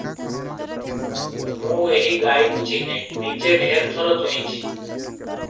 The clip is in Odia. ମୁଁ ଏହି ଗାଈକୁ ଚିହ୍ନେ, ନିଜେ ଢ଼େର ଥର ଦୁହିଁଛି ।